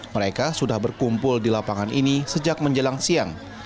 mereka sudah berkumpul di lapangan ini sejak menjelang siang